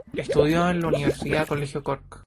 Estudió en la Universidad Colegio Cork.